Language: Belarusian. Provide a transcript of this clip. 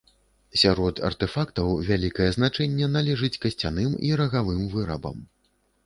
Сярод артэфактаў вялікае значэнне належыць касцяным і рагавым вырабам.